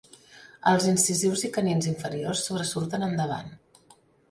Els incisius i canins inferiors sobresurten endavant.